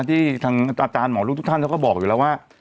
ที่ทางอาจารย์หมอลูกทุกท่านเขาก็บอกอยู่แล้วว่า